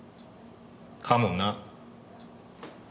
かもな。